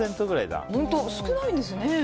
少ないんですね。